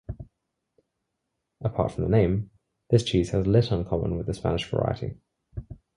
Apart from the name, this cheese has little in common with the Spanish variety.